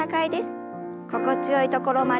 心地よいところまで。